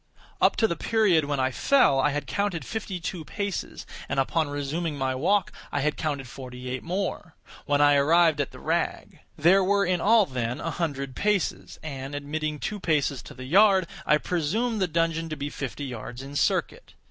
Up to the period when I fell I had counted fifty two paces, and upon resuming my walk, I had counted forty eight more—when I arrived at the rag. There were in all, then, a hundred paces; and, admitting two paces to the yard, I presumed the dungeon to be fifty yards in circuit.